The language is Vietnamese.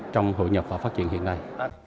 trong hội nhập và phát triển hiện nay